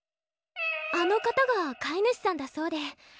あの方が飼い主さんだそうで。